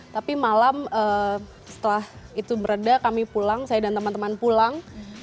tapi malam setelah itu meredah kami pulang saya dan teman teman pulang